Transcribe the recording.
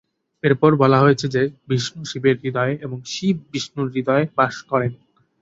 এরপর বলা হয়েছে যে, বিষ্ণু শিবের হৃদয়ে এবং শিব বিষ্ণুর হৃদয়ে বাস করেন।